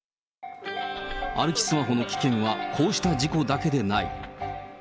歩きスマホの危険はこうした事故だけでない。